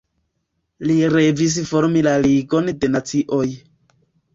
Li revis formi la Ligon de Nacioj.